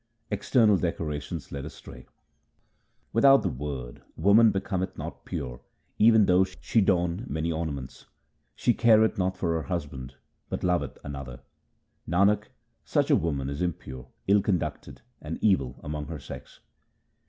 External decorations lead astray :— Without the Word woman becometh not pure even though she don many ornaments ; She careth not for her husband, but loveth another. Nanak, such a woman is impure, ill conducted, and evil among her sex.